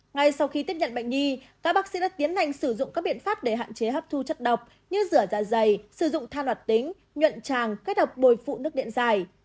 ngay sau khi tiếp nhận bệnh nhi các bác sĩ đã tiến hành sử dụng các biện pháp để hạn chế hấp thu chất độc như rửa dạ dày sử dụng than hoạt tính nhuộn tràng kết hợp bồi phụ nước điện dài